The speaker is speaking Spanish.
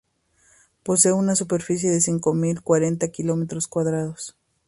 Posee una superficie de cinco mil cuarenta kilómetros cuadrados.